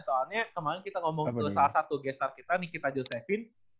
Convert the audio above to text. soalnya kemarin kita ngomong tuh salah satu guest star kita nikita josephine